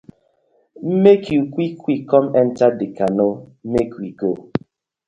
Mek yu quick quick kom enter dey canoe mek we go.